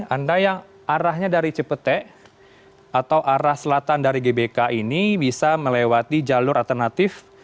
anda yang arahnya dari cipete atau arah selatan dari gbk ini bisa melewati jalur alternatif